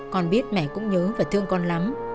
con biết mẹ cũng nhớ và thương con lắm